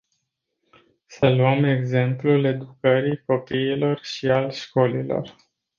Să luăm exemplul educării copiilor și al școlilor.